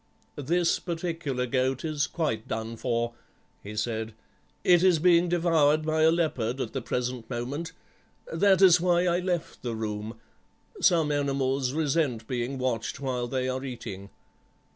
"'This particular goat is quite done for,' he said, 'it is being devoured by a leopard at the present moment. That is why I left the room; some animals resent being watched while they are eating.